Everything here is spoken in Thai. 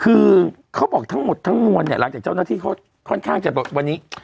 คือเขาบอกทั้งหมดทั้งมวลเนี่ยหลังจากเจ้าหน้าที่เขาค่อนข้างจะวันนี้